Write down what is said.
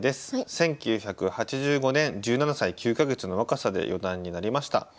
１９８５年１７歳９か月の若さで四段になりました。